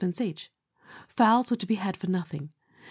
each. Fowls were to be had for nothing.